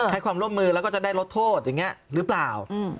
ให้ความร่วมมือแล้วก็จะได้ลดโทษอย่างนี้หรือเปล่า